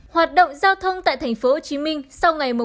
hoạt động giao thông tại tp hcm sau ngày một một một mươi